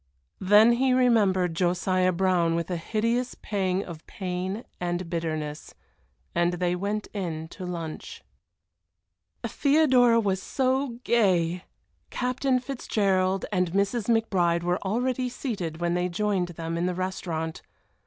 Then he remembered Josiah Brown with a hideous pang of pain and bitterness and they went in to lunch. Theodora was so gay! Captain Fitzgerald and Mrs. McBride were already seated when they joined them in the restaurant.